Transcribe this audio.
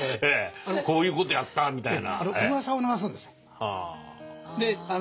こういうことやったみたいな。